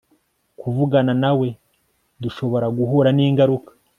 Kuvugana nawe dushobora guhura ningaruka